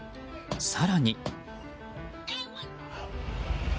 更に。